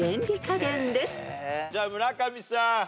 じゃあ村上さん。